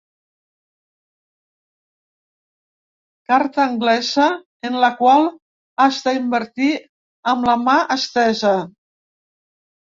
Carta anglesa en la qual has d'invertir amb la mà estesa.